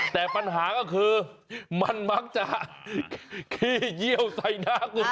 แต่ปัญหาก็คือมันมักจะขี้เยี่ยวใส่หน้าคุณ